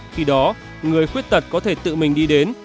khi đó người khuyết tật có thể tự mình đi đến